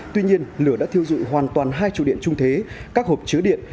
tuy nhiên lửa đã thiêu dụi hoàn toàn hai trụ điện trung thế các hộp chứa điện